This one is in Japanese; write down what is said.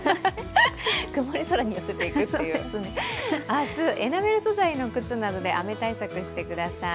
明日、エナメル素材の靴などで雨対策してください。